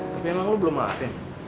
tapi emang lo belum latih